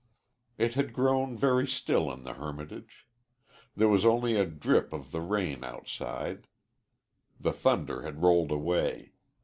It had grown very still in the hermitage. There was only a drip of the rain outside the thunder had rolled away.